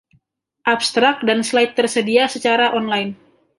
Abstrak dan slide tersedia secara online.